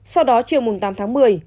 sau đó chiều tám tháng một mươi